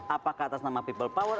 apakah atas nama people power